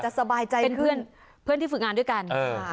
จะสบายใจขึ้นเป็นเพื่อนที่ฝึกงานด้วยกัน